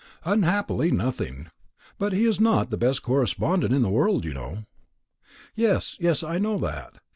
"Unhappily nothing. But he is not the best correspondent in the world, you know." "Yes, yes, I know that.